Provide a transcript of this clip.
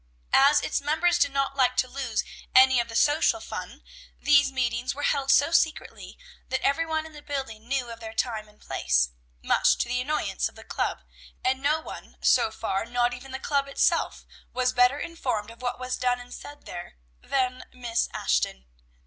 As its members did not like to lose any of the social fun, these meetings were held so secretly that every one in the building knew of their time and place, much to the annoyance of the club; and no one, so far, not even the club itself, was better informed of what was done and said there than Miss Ashton.